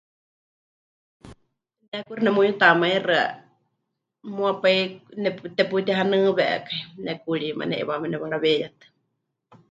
Ne kuxi nemuyutamaixɨa muuwa pai nepu... teputihanɨwekai, nekuuriíma, ne'iwaáma newaraweiyatɨ.